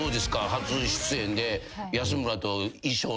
初出演で。